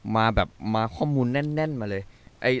มาแบบมาข้อมูลแน่นมาเลย